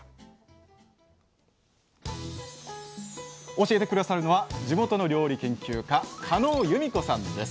教えて下さるのは地元の料理研究家カノウユミコさんです